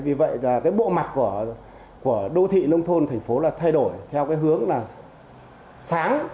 vì vậy bộ mặt của đô thị nông thôn thành phố thay đổi theo hướng sáng